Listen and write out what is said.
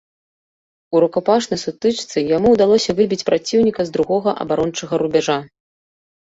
У рукапашнай сутычцы яму ўдалося выбіць праціўніка з другога абарончага рубяжа.